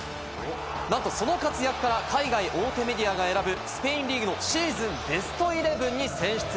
なんとその活躍が海外大手メディアが選ぶスペインリーグのシーズン・ベストイレブンに選出。